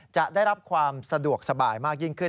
จะได้รับความสะดวกสบายมากยิ่งขึ้น